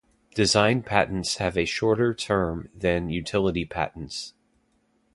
Design patents have a shorter term than utility patents.